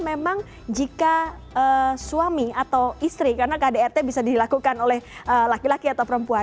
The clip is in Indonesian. memang jika suami atau istri karena kdrt bisa dilakukan oleh laki laki atau perempuan